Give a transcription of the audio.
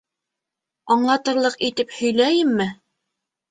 Аңлатырлыҡ итеп һөйләйемме?